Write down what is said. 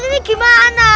lah ini gimana